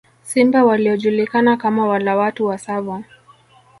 Simba waliojulikana kama wala watu wa Tsavo